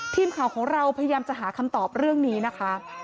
ทีมข่าวของเราพยายามจะหาคำตอบเรื่องนี้นะคะ